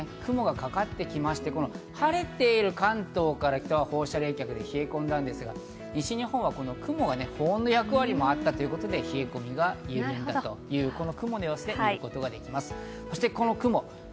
ただ今日になりまして、西日本で雲がかかってきまして、晴れている関東から北は放射冷却で冷え込んだんですが、西日本は雲が保温の役割もあったということで冷え込みは緩んだということを雲の様子で見ることができます。